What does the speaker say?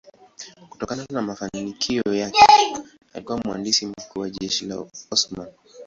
Kutokana na mafanikio yake alikuwa mhandisi mkuu wa jeshi la Osmani.